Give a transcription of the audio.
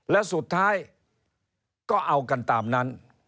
และสุดท้ายก็เอากันตามนั้น